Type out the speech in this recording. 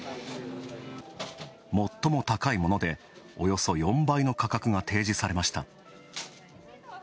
最も高いものでおよそ４倍の価格が提示されました。